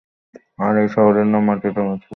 আর এই শহরের নাম মাটিতে মিশিয়ে দেবে।